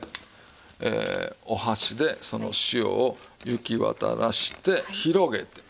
お箸でその塩を行き渡らせて広げて冷ますと。